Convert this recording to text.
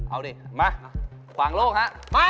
เอาดิมาขวางโลกฮะ